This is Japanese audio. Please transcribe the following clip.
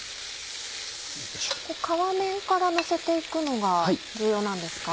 皮面からのせて行くのが重要なんですか？